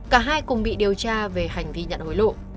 cả hai cùng bị điều tra về hành vi nhận hối lộ